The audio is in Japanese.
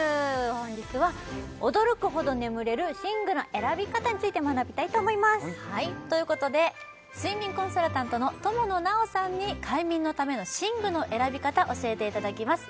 本日は驚くほど眠れる寝具の選び方について学びたいと思いますということで睡眠コンサルタントの友野なおさんに快眠のための寝具の選び方教えていただきます